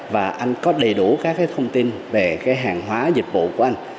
và anh có đầy đủ các cái thông tin về cái hàng hóa dịch vụ của anh